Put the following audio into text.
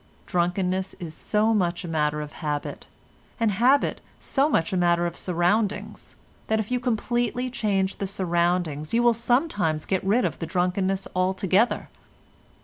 Drunkenness is so much a matter of habit, and habit so much a matter of surroundings, that if you completely change the surroundings you will sometimes get rid of the drunkenness altogether.